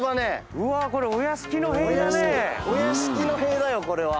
うわこれお屋敷の塀だよこれは。